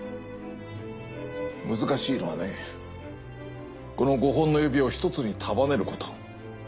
難しいのはねこの５本の指を１つに束ねること。